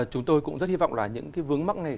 chúng tôi cũng rất hy vọng là những cái vướng mắc này